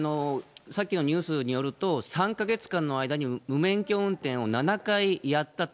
さっきのニュースによると、３か月間の間に無免許運転を７回やったと。